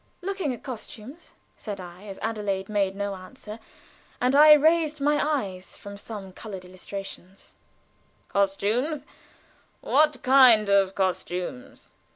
"Looking over costumes," said I, as Adelaide made no answer, and I raised my eyes from some colored illustrations. "Costumes what kind of costumes?"